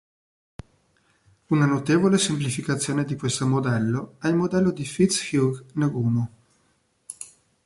Una notevole semplificazione di questo modello è il modello di FitzHugh-Nagumo.